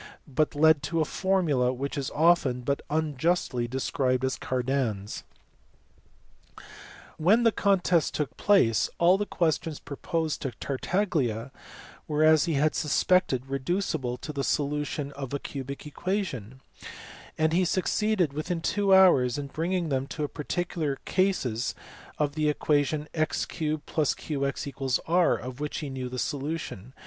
iJ S), but led to the formula which is often, but unjustly, described as Cardan s, When the contest took place all the questions proposed to Tartaglia were as he had suspected reducible to the solution of a cubic equation, and he succeeded within two hours in bringing them to particular cases of the equation x a + qx /, of which he knew the solution.